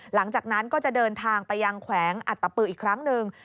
หลังจากนั้นก็จะเดินทางไปยังแขวงอัตตปืออีกครั้งหนึ่ง